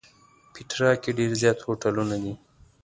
پېټرا کې ډېر زیات هوټلونه دي.